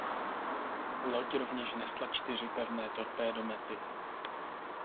Loď rovněž nesla čtyři pevné torpédomety.